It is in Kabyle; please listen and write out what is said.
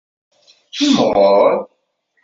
Timɣur.